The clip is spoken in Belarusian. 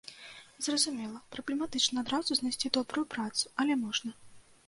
Зразумела, праблематычна адразу знайсці добрую працу, але можна.